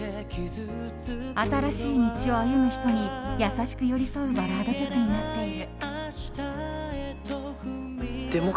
新しい道を歩む人に優しく寄り添うバラード曲となっている。